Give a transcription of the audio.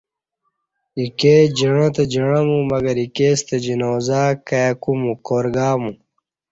اکے جعں تہ جعں مو مگر اِکےستہ جنازہ کائی کُومو، کار گامو۔